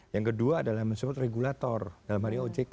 yang kedua adalah support regulator dalam hal ojk